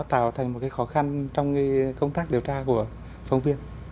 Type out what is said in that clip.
và nó tạo thành một cái khó khăn trong công tác điều tra của phóng viên